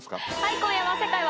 今夜は。